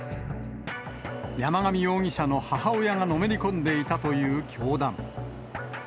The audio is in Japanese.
山上容疑者の母親がのめり込んでいたという教団。